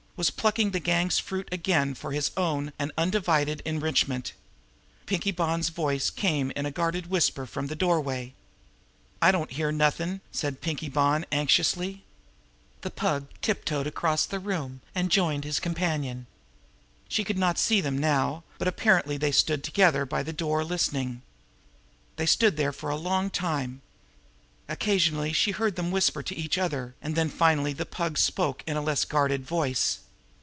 was plucking the gang's fruit again for his own and undivided enrichment! Pinkie Bonn's voice came in a guarded whisper from the doorway. "I don't hear nothin'!" said Pinkie Bonn anxiously. The Pug tiptoed across the room, and joined his companion. She could not see them now, but apparently they stood together by the door listening. They stood there for a long time. Occasionally she heard them whisper to each other; and then finally the Pug spoke in a less guarded voice.